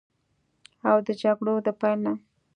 او د جګړو د پیل نه